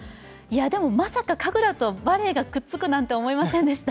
でも、まさか神楽とバレエがくっつくなんて思いませんでした。